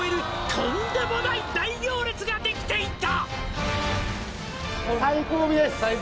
「とんでもない大行列ができていた」